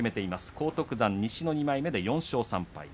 荒篤山は２枚目で４勝３敗。